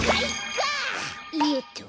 よっと。